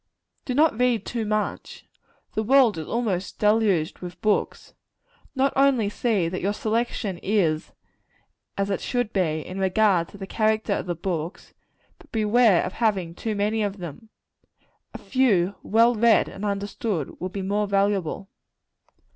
Do not read too much. The world is almost deluged with books. Not only see that your selection is as it should be, in regard to the character of the books, but beware of having too many of them. A few, well read and understood, will be more valuable.